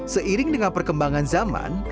seiring dengan perkembangan zaman